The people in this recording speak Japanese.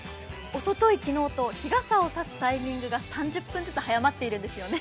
おととい、昨日と日傘をさすタイミングが３０分ずつ早まっているんですよね。